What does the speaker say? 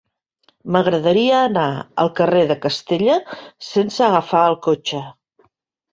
M'agradaria anar al carrer de Castella sense agafar el cotxe.